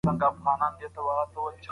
ډیپلوماټیک اصول باید د هر چا لخوا ومنل سي.